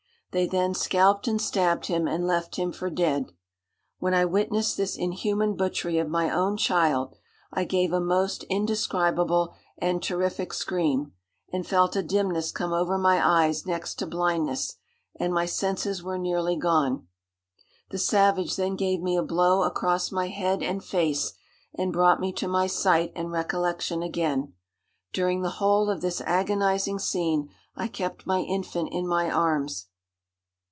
They then scalped and stabbed him, and left him for dead. When I witnessed this inhuman butchery of my own child, I gave a most indescribable and terrific scream, and felt a dimness come over my eyes next to blindness, and my senses were nearly gone. The savage then gave me a blow across my head and face, and brought me to my sight and recollection again. During the whole of this agonizing scene, I kept my infant in my arms.